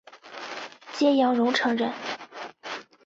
揭阳榕城人。